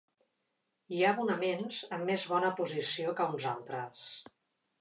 Hi ha abonaments amb més bona posició que uns altres.